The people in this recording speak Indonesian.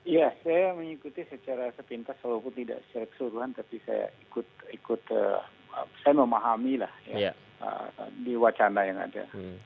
ya saya mengikuti secara sepintas walaupun tidak secara keseluruhan tapi saya ikut saya memahami lah ya di wacana yang ada